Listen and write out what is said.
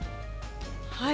はい。